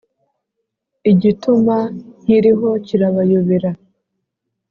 igituma nkiriho kirabayobera